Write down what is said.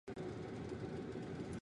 他的父亲是乒乓球名将吕林。